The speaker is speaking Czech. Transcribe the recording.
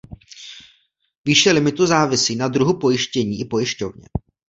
Výše limitu závisí na druhu pojištění i pojišťovně.